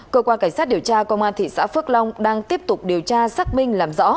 cơ quan cảnh sát điều tra công an thị xã phước long đang tiếp tục điều tra xác minh làm rõ